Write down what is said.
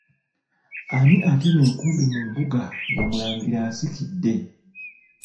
Ani atema enkumbi mu mbuga ng'omulangira asikidde?